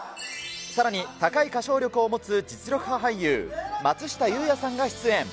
さらに、高い歌唱力を持つ、実力派俳優、松下優也さんが出演。